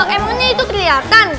emangnya itu keliatan